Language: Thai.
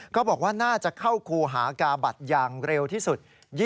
ก็บอกว่าน่าจะเข้าครูหากาบัตรอย่างเร็วที่สุด